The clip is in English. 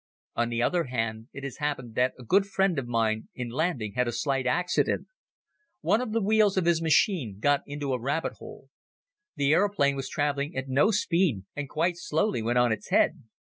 On the other hand, it has happened that a good friend of mine in landing had a slight accident. One of the wheels of his machine got into a rabbit hole. The aeroplane was traveling at no speed and quite slowly went on its head.